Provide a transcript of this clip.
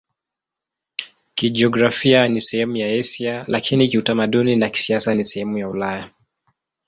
Kijiografia ni sehemu ya Asia, lakini kiutamaduni na kisiasa ni sehemu ya Ulaya.